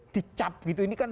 dicap gitu ini kan